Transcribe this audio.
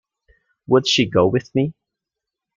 Would she go with me?